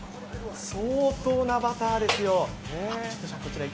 相当なバターですよ。